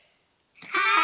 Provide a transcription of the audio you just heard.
はい！